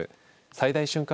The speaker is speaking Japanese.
最大瞬間